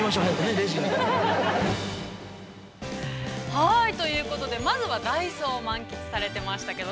◆はい、ということでまずはダイソーを満喫されてましたけど。